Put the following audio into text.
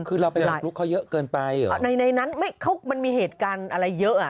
คือเราไปบุกลุกเขาเยอะเกินไปเหรอในในนั้นไม่เขามันมีเหตุการณ์อะไรเยอะอ่ะ